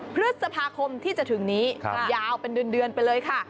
พฤษภาคมที่จะถึงนี้ยาวเป็นเดือนไปเลยค่ะ